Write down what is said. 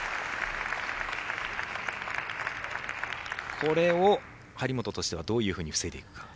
これを張本としてはどういうふうに防いでいくか。